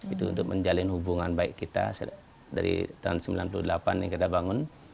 itu untuk menjalin hubungan baik kita dari tahun sembilan puluh delapan yang kita bangun